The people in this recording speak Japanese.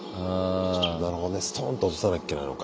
なるほどねすとんと落とさなきゃいけないのか。